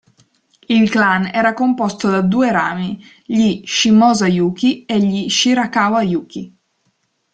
Il clan era composto da due rami: Gli Shimōsa-Yūki e gli Shirakawa-Yūki.